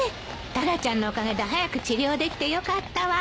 タラちゃんのおかげで早く治療できてよかったわ。